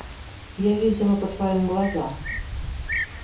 Я видела по твоим глазам.